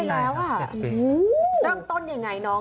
เรื่องต้นยังไงน้องค่ะ